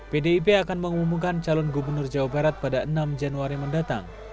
pdip akan mengumumkan calon gubernur jawa barat pada enam januari mendatang